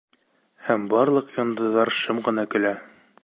Һәм барлыҡ йондоҙҙар шым ғына көлә.